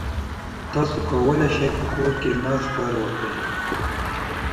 تاسو کولای شئ په کور کې ناست کار وکړئ.